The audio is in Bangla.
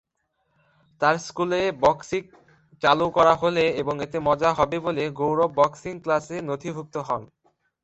তার স্কুলে বক্সিং চালু করা হলে এবং এতে মজা হবে বলে গৌরব বক্সিং ক্লাসে নথিভুক্ত হন।